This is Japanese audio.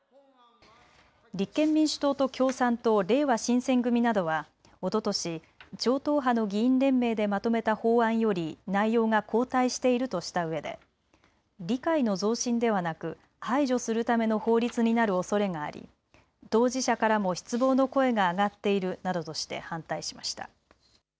立憲民主党と共産党、れいわ新選組などはおととし超党派の議員連盟でまとめた法案より内容が後退しているとしたうえで理解の増進ではなく排除するための法律になるおそれがあり、当事者からも失望の声が上がっているなどとして反対しました。